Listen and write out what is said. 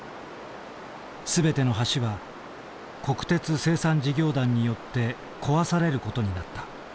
全ての橋は国鉄清算事業団によって壊される事になった。